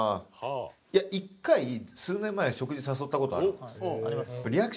いや１回数年前食事誘った事ある。